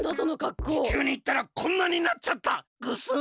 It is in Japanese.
地球にいったらこんなになっちゃったぐすん。